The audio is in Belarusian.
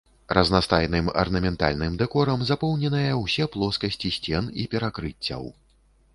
Разнастайным арнаментальным дэкорам запоўненыя ўсе плоскасці сцен і перакрыццяў.